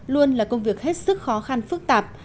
luôn là công việc hết sức khó khăn phức tạp